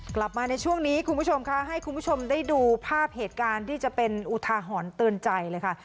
กลับมาในช่วงนี้คุณผู้ชมค่ะให้คุณผู้ชมได้ดูภาพเหตุการณ์ที่จะเป็นอุทาหรณ์เตือนใจเลยค่ะ